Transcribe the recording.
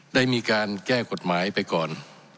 ได้มีการแก้กฎหมายไปก่อน